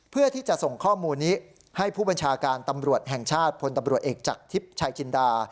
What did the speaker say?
เพื่อที่จะส่งข้อมูลนี้ให้ผู้บัญชาการตำรวจแห่งชาติพลตำรวจเอกจากทิพย์ชายจินดา